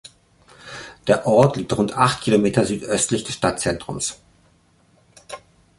Der Ort liegt rund acht Kilometer südöstlich des Stadtzentrums.